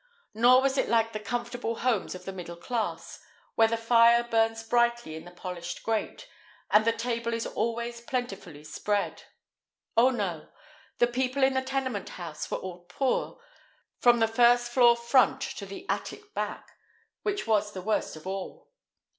Nor was it like the comfortable homes of the middle class, where the fire burns brightly in the polished grate, and the table is always plentifully spread. Oh, no! The people in the tenement house were all poor, from the first floor front to the attic back, which was the worst of all.